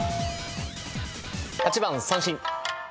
８番三線。